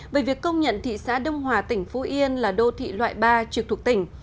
về việc công nhận thị xã đông hòa tỉnh phú yên là đô thị loại ba trực thuộc tỉnh